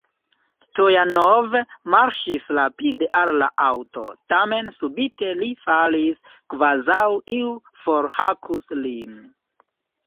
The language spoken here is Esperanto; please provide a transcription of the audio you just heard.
Stojanov marŝis rapide al la aŭto, tamen subite li falis, kvazaŭ iu forhakus lin.